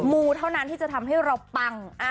ูเท่านั้นที่จะทำให้เราปัง